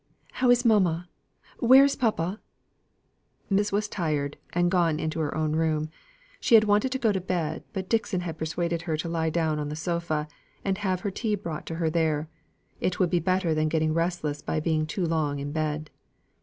"How is mamma? where is papa?" Missus was tired, and gone into her own room. She had wanted to go to bed, but Dixon had persuaded her to lie down on the sofa, and have her tea brought to her there; it would be better than getting restless by being too long in bed.